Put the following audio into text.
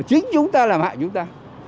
chính chúng ta làm hại chúng ta